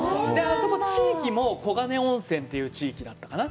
あそこ地域も黄金温泉という地域だったかな。